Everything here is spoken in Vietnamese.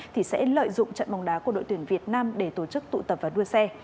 thì sẽ lợi dụng trận bóng đá của đội tuyển việt nam để tổ chức tụ tập và đua xe